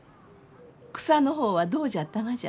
草の方はどうじゃったがじゃ？